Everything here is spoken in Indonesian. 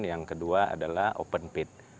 yang kedua adalah open pit